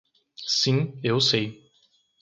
Sim eu sei.